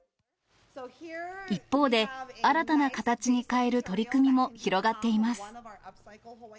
一方で、新たな形に変える取り組みも広がっています。